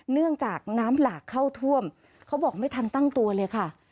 เนื่องจากน้ำหลากเข้าท่วมเขาบอกไม่ทันตั้งตัวเลยค่ะ